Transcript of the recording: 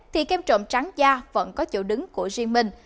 thì kem trộm trắng da vẫn có chỗ đứng của riêng mình